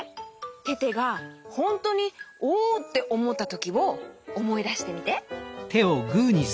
テテがホントにおっておもったときをおもいだしてみて。